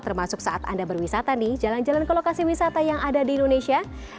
termasuk saat anda berwisata nih jalan jalan ke lokasi wisata yang ada di indonesia